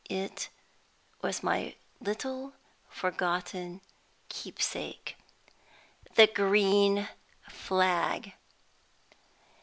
It was my little forgotten keepsake the Green Flag!